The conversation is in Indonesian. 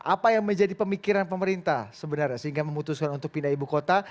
apa yang menjadi pemikiran pemerintah sebenarnya sehingga memutuskan untuk pindah ibu kota